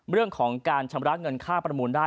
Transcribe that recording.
เรื่องของการชำระเงินค่าประมูลได้